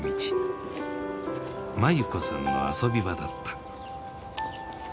眞優子さんの遊び場だった。